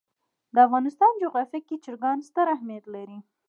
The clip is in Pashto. د افغانستان جغرافیه کې چرګان ستر اهمیت لري.